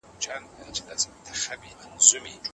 انسان باید په مځکه کي خپل مسؤلیت وپیژني.